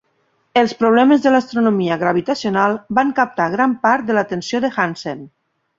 Els problemes de l'astronomia gravitacional van captar gran part de l'atenció de Hansen.